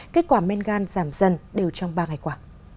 kết quả men gan giảm dần đều trong ba ngày qua